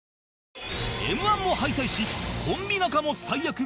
Ｍ−１ も敗退しコンビ仲も最悪